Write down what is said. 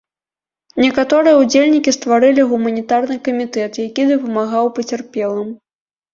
Некаторыя ўдзельнікі стварылі гуманітарны камітэт, які дапамагаў пацярпелым.